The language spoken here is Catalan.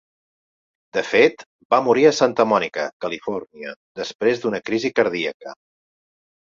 De fet, va morir a Santa Mònica, Califòrnia, després d'una crisi cardíaca.